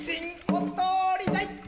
お通りだい